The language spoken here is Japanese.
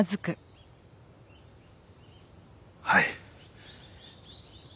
はい。